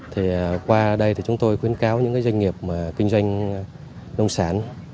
thì qua đây thì chúng tôi khuyến cáo những doanh nghiệp kinh doanh nông sản